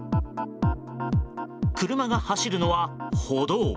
車が走るのは歩道。